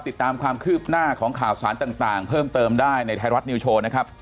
ติดตามความคืบหน้าของข่าวสารต่างเพิ่มเติมได้ในไทยรัฐนิวโชว์นะครับ